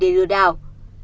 nếu người ta làm sao